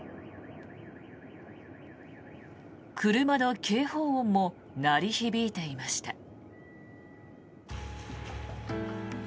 車の警報音も鳴り響いていました。